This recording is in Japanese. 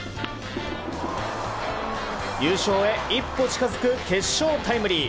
優勝へ一歩近づく決勝タイムリー。